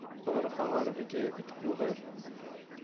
Ad ruḥeɣ ɣer Bgayet deg Tuber.